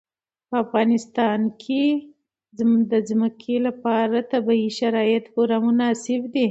په افغانستان کې د ځمکه لپاره طبیعي شرایط پوره مناسب دي.